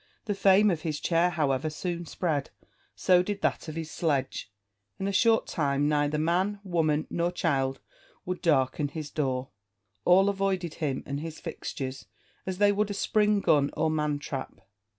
The fame of his chair, however, soon spread; so did that of his sledge. In a short time neither man, woman, nor child would darken his door; all avoided him and his fixtures as they would a spring gun or man trap.